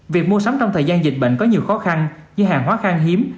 việc mua sắm trong thời gian dịch bệnh có nhiều khó khăn như hàng hóa khang hiếm